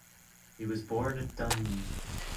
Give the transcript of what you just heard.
He was born at Duns.